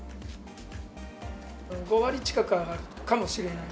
５割近く上がるかもしれない。